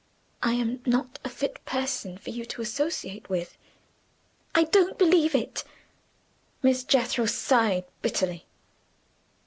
"I am not a fit person for you to associate with." "I don't believe it!" Miss Jethro sighed bitterly.